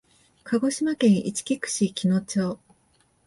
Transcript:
鹿児島県いちき串木野市